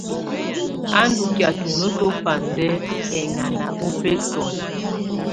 A ndù kɛ̀á tuno tùfandɛ ɛŋana ᴜbɛsɔ̀.